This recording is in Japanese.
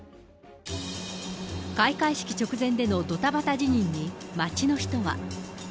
開会式直前でのどたばた辞任に街の人は。